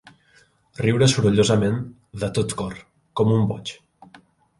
Riure sorollosament, de tot cor, com un boig.